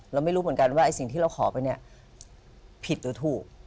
เราไม่รู้เหมือนกันว่าไอ้สิ่งที่เราขอไปเนี่ยผิดหรือถูก